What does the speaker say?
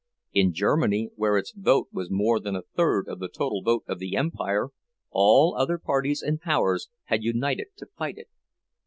In Germany, where its vote was more than a third of the total vote of the empire, all other parties and powers had united to fight it.